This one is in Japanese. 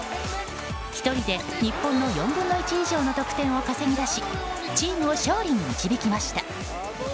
１人で、日本の４分の１以上の得点を稼ぎ出しチームを勝利に導きました。